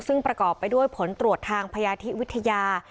ซึ่งประกอบไปด้วยผลตรวจทางพยาธิวิทยา